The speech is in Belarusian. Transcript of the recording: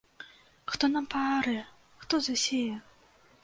Хто нам паарэ, хто засее?!